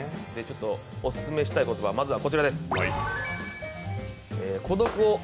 オススメしたい言葉、まずはこちらです。